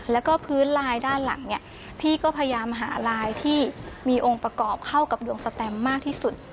แล้วก็พื้นลายด้านหลังเนี่ยพี่ก็พยายามหาลายที่มีองค์ประกอบเข้ากับดวงสแตมมากที่สุด